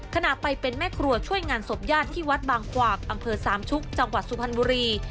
ขณะไปเป็นแม่ครัวช่วยงานศพญาติที่วัดบางขวากอำเภอสามชุกจังหวัดสุพรรณบุรี